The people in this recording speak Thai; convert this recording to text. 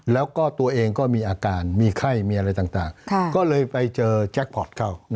แล้วก็ตัวเองก็มีอาการมีไข้มีอะไรต่างก็เลยไปเจอแจ็คพอร์ตเข้า